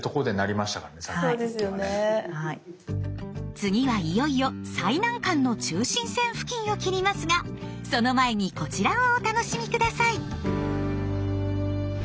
次はいよいよ最難関の中心線付近を切りますがその前にこちらをお楽しみ下さい。